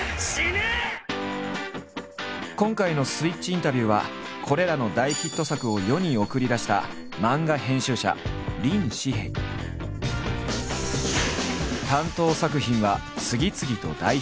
今回の「スイッチインタビュー」はこれらの大ヒット作を世に送り出した担当作品は次々と大ヒット。